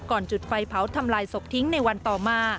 จุดไฟเผาทำลายศพทิ้งในวันต่อมา